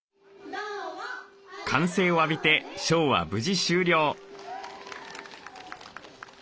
歓声を浴びてショーは無事終了。